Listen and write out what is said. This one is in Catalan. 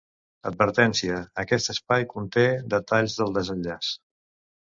Advertència, aquest espai conté detalls del desenllaç.